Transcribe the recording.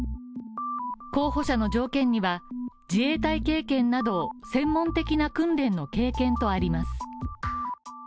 候補者の条件には、自衛隊経験など専門的な訓練の経験とあります。